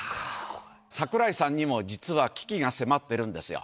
櫻井さんにも、実は危機が迫ってるんですよ。